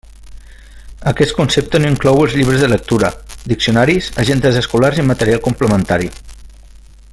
Aquest concepte no inclou els llibres de lectura, diccionaris, agendes escolars i material complementari.